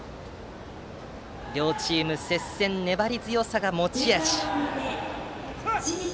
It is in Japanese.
両チーム、接戦での粘り強さが持ち味。